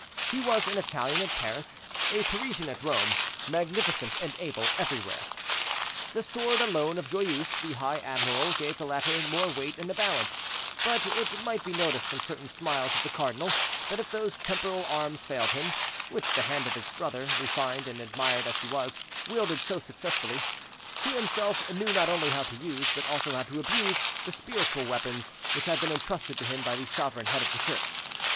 He was an Italian at Paris, a Parisian at Rome, magnificent and able everywhere. The sword alone of Joyeuse, the high admiral, gave the latter more weight in the balance; but it might be noticed from certain smiles of the cardinal, that if those temporal arms failed him, which the hand of his brother, refined and admired as he was, wielded so successfully, he himself knew not only how to use, but also how to abuse, the spiritual weapons which had been intrusted to him by the sovereign head of the Church.